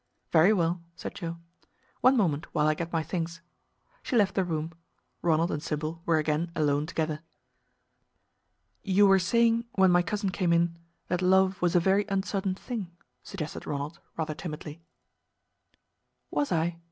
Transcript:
"Very well," said Joe. "One moment, while I get my things." She left the room. Ronald and Sybil were again alone together. "You were saying when my cousin came in, that love was a very uncertain thing," suggested Ronald, rather timidly. "Was I?"